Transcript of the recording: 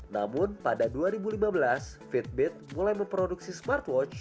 namun pada dua ribu lima belas fit beat mulai memproduksi smartwatch